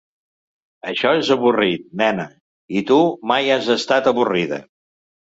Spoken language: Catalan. Això és avorrit, nena, i tu mai has estat avorrida.